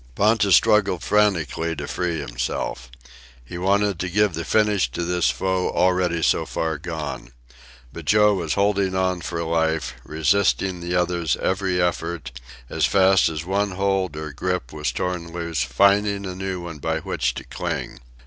Ponta struggled frantically to free himself. He wanted to give the finish to this foe already so far gone. But Joe was holding on for life, resisting the other's every effort, as fast as one hold or grip was torn loose finding a new one by which to cling.